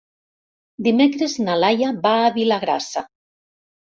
Dimecres na Laia va a Vilagrassa.